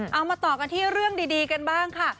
เอามาต่อกันที่เรื่องดีกันบ้างค่ะ